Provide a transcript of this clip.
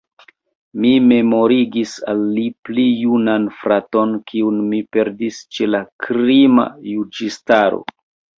Mi memorigis al li pli junan fraton, kiun li perdis ĉe la krima juĝistaro.